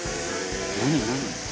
何？何？」